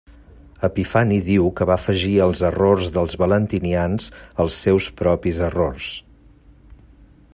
Epifani diu que va afegir als errors dels valentinians els seus propis errors.